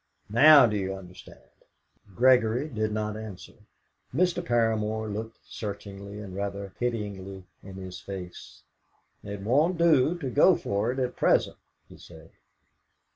Now do you understand?" Gregory did not answer. Mr. Paramor looked searchingly and rather pityingly in his face. "It won't do to go for it at present," he said.